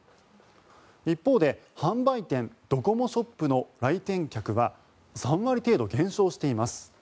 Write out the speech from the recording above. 一方で販売店ドコモショップの来店客は３割程度、減少しています。